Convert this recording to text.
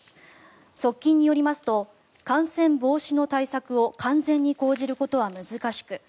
側近によりますと感染防止の対策を完全に講じることは難しく